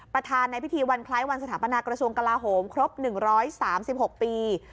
ในพิธีวันคล้ายวันสถาปนากระทรวงกลาโหมครบ๑๓๖ปี